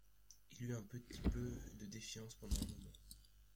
«Il eut un petit peu de défiance pendant un moment.